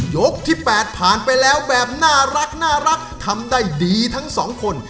๘ยกที่๘ผ่านไปแล้วแบบน่ารักน่ารักทำได้ดีทั้ง๒คน